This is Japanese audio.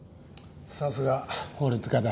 さすが法律家だ。